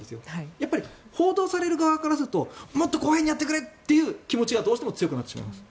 やっぱり報道される側からするともっと公平にやってくれという気持ちがどうしても強くなってしまうんです。